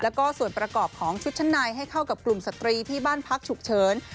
แล้วก็ส่วนประกอบของชุดชั้นในให้เข้ากับกลุ่มสตรีที่บ้านพักฉุกเฉิน